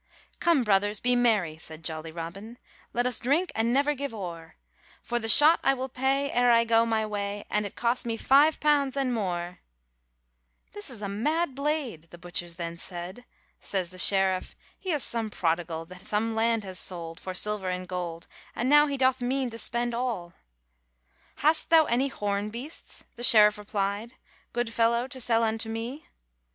'Come, brothers, be merry,' said jolly Robin, 'Let us drink, and never give ore; For the shot I will pay, ere I go my way, If it cost me five pounds and more/ 'This is a mad blade,' the butchers then said; Saies the sheriff, * He is some prodigal, That some land has sold, for silver and gold, And now he doth mean to spend all. 'Hast thou any horn beasts,' the sheriff repli'd, 'Good fellow, to sell unto me?'